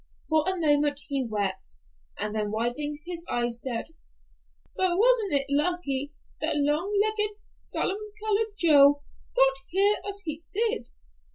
For a moment he wept, and then wiping his eyes, said, "But wasn't it lucky that long legged, salmon colored Joe got here as he did!